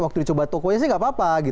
waktu dicoba tukunya sih nggak apa apa gitu